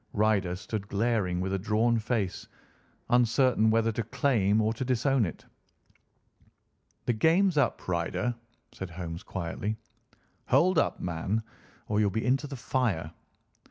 Ryder stood glaring with a drawn face, uncertain whether to claim or to disown it. "The game's up, Ryder," said Holmes quietly. "Hold up, man, or you'll be into the fire!